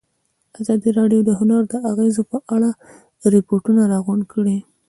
ازادي راډیو د هنر د اغېزو په اړه ریپوټونه راغونډ کړي.